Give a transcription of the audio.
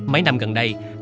mấy năm gần đây